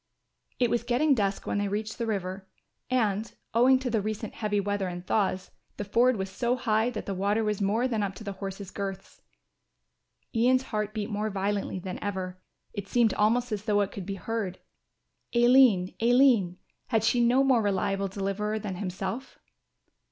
It was getting dusk when they reached the river, and, owing to the recent heavy weather and thaws, the ford was so high that the water was more than up to the horses' girths. Ian's heart beat more violently than ever; it seemed almost as though it could be heard. "Aline, Aline, had she no more reliable deliverer than himself?"